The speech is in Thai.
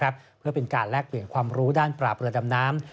เพื่อเป็นการแลกเปลี่ยนความรู้ด้านปราบเรือดำน้ำ